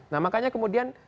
nah makanya kemudian